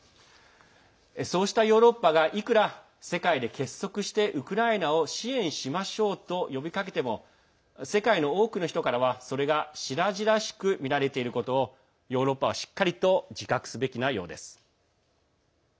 そうしたヨーロッパがいくら、世界で結束してウクライナを支援しましょうと呼びかけても世界の多くの人からは、それがしらじらしく見られていることをヨーロッパはしっかりと自覚すべきなようです。